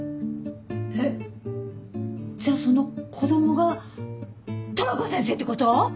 えっじゃあその子供がトラコ先生ってこと？